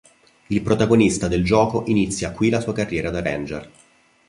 Il protagonista del gioco inizia qui la sua carriera da Ranger.